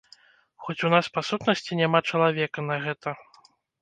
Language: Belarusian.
Хоць у нас па сутнасці няма чалавека на гэта.